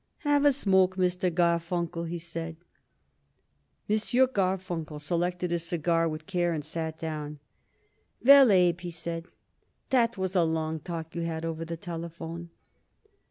"Have a smoke, Mr. Garfunkel," he said. M. Garfunkel selected a cigar with care and sat down. "Well, Abe," he said, "that was a long talk you had over the telephone."